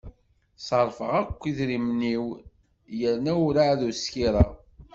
Ṣerrfeɣ akk idrimen-iw yerna ur ɛad skiṛeɣ